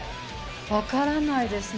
分からないですね。